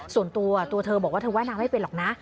ส่วนตัวตัวเธอบอกว่าเธอว่ายน้ำไม่เป็นหรอกนะ